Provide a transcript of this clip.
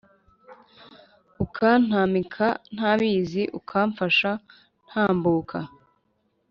Ukantamika ntabizi Ukamfasha ntambuka